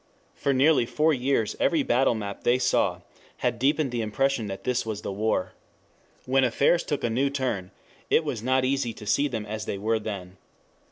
For nearly four years every battle map they saw had deepened the impression that this was the war. When affairs took a new turn, it was not easy to see them as they were then.